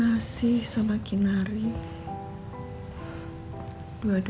mami jangan menyerah